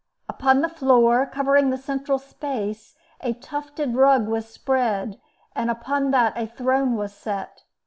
Upon the floor, covering the central space, a tufted rug was spread, and upon that a throne was set.